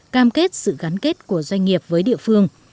cam kết sự gắn kết của doanh nghiệp với địa phương